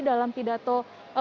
dalam pidato ru